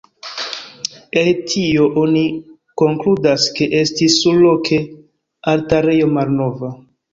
El tio oni konkludas ke estis surloke altarejo malnova.